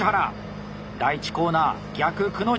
第１コーナー「逆くの字」